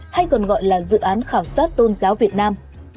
hay còn gọi là dự án khảo sát tôn giáo việt nam